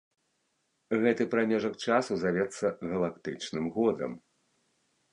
Гэты прамежак часу завецца галактычным годам.